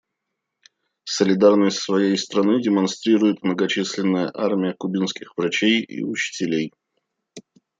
Солидарность своей страны демонстрирует многочисленная армия кубинских врачей и учителей.